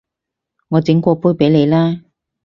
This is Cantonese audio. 我整過杯畀你啦